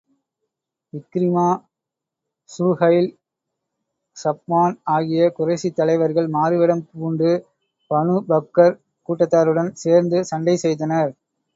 Ikrima, Suhail, Safwan ஆகிய குறைஷித் தலைவர்கள் மாறுவேடம் பூண்டு, பனூ பக்கர் கூட்டத்தாருடன் சேர்ந்து சண்டை செய்தனர்.